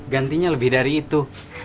gantinya lebih dari itu